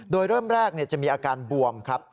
โดยเริ่มแรกจะมีอาการบวมครับ